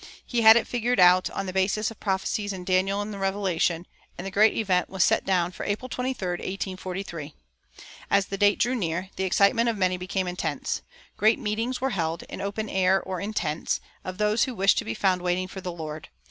He had figured it out on the basis of prophecies in Daniel and the Revelation, and the great event was set down for April 23, 1843. As the date drew near the excitement of many became intense. Great meetings were held, in the open air or in tents, of those who wished to be found waiting for the Lord.